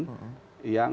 yang ini yang